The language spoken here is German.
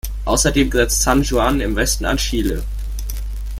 Außerdem grenzt San Juan im Westen an Chile.